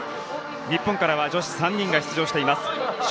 日本からは女子３人が出場しています。